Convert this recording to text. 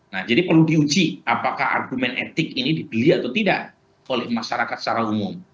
nah jadi perlu diuji apakah argumen etik ini dibeli atau tidak oleh masyarakat secara umum